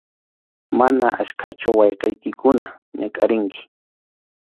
Mana achkachu wawqiykikuna ñakʼarinki.